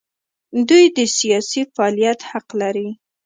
دوی د سیاسي فعالیت حق لري.